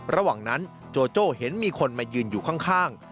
ระหว่างนั้นโจโจ้เห็นมีคนมายืนอยู่ข้าง